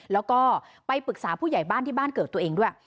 แล้วก็ไปปรึกษาผู้ใหญ่บ้านที่บ้านเกิดตัวเองด้วย